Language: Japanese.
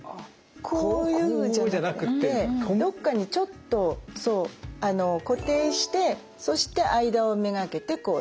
こういうんじゃなくってどっかにちょっと固定してそして間を目がけてこうやって入れていく。